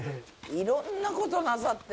いろんなことなさって。